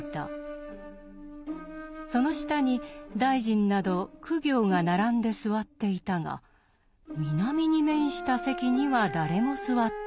その下に大臣など公卿が並んで座っていたが南に面した席には誰も座っていない。